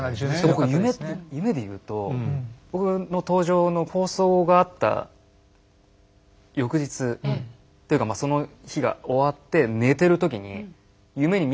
僕夢でいうと僕の登場の放送があった翌日というかその日が終わって寝てる時にハハッ！